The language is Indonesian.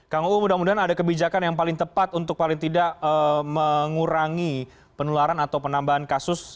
kang uu mudah mudahan ada kebijakan yang paling tepat untuk paling tidak mengurangi penularan atau penambahan kasus